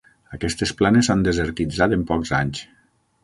Aquestes planes s'han desertitzat en pocs anys.